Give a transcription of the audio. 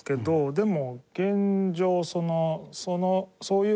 でも。